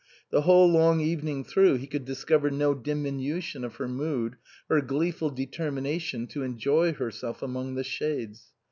The whole long evening through he could discover no diminution of her mood, her gleeful determination to enjoy herself among the shades.